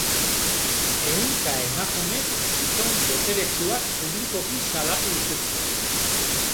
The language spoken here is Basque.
Ehunka emakumek gizon boteretsuak publikoki salatu dituzte.